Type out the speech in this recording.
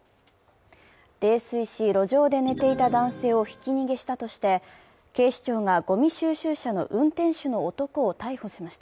泥酔し路上で寝ていた男性をひき逃げしたとして警視庁がごみ収集車の運転手の男を逮捕しました。